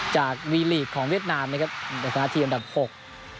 จากวีลีกของเวียดนามนะครับจะชนะทีมอันดับหก